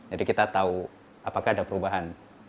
jadi kita tahu apakah ada perubahan